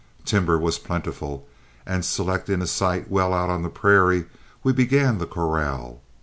Timber was plentiful, and, selecting a site well out on the prairie, we began the corral.